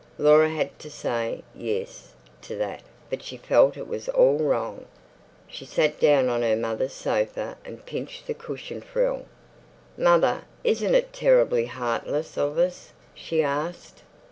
Laura had to say "yes" to that, but she felt it was all wrong. She sat down on her mother's sofa and pinched the cushion frill. "Mother, isn't it terribly heartless of us?" she asked.